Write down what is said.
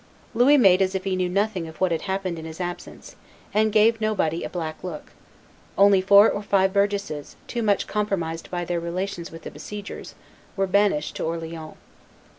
Louis made as if he knew nothing of what had happened in his absence, and gave nobody a black look; only four or five burgesses, too much compromised by their relations with the besiegers, were banished to Orleans.